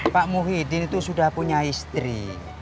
pak muhyiddin itu sudah punya istri